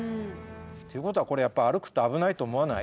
ていうことはこれやっぱ歩くと危ないと思わない？